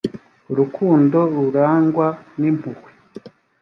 urukundo rurangwa n impuhwe